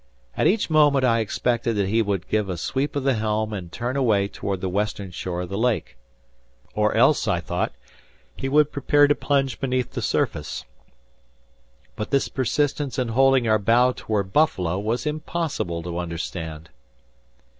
At each moment, I expected that he would give a sweep of the helm and turn away toward the western shore of the lake. Or else, I thought, he would prepare to plunge beneath the surface. But this persistence in holding our bow toward Buffalo was impossible to understand!